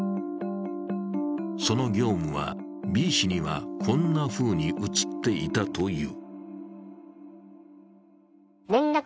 その業務は、Ｂ氏にはこんなふうに映っていたという。